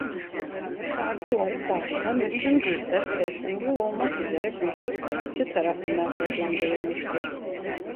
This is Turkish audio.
Şarkıları başta Müslüm Gürses ve Esengül olmak üzere birçok sanatçı tarafından seslendirilmiştir.